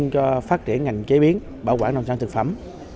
sản xuất cho phát triển ngành chế biến bảo quản nông sản thực phẩm